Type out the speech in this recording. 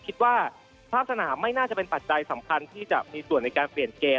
คิดว่าภาพสนามไม่น่าจะเป็นปัจจัยสำคัญที่จะมีส่วนในการเปลี่ยนเกม